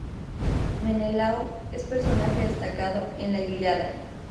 Menelao es personaje destacado en la "Ilíada".